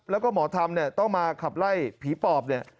แล้วก็หมอธรรมเนี่ยต้องมาขับไล่ผีปอบเนี่ย